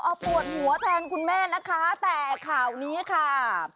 เอาปวดหัวแทนคุณแม่นะคะแต่ข่าวนี้ค่ะ